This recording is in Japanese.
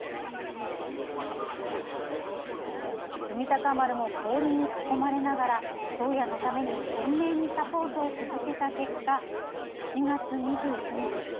「海鷹丸」も氷に囲まれながら「宗谷」のために懸命にサポートを続けた結果１月２９日